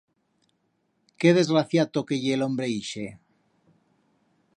Qué desgraciato que ye l'hombre ixe.